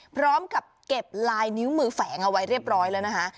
พร้อมกับเก็บลายนิ้วมือแฝงเอาไว้เรียบร้อยแล้วนะคะ